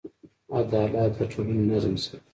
عدالت د ټولنې نظم ساتي.